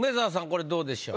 これどうでしょう？